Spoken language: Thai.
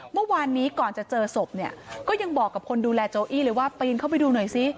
เมื่อวานนี้ก่อนจะเจอศพเนี่ยก็ยังบอกกับคนดูแลโจอี้เลยว่าปีนเข้าไปดูหน่อยซิ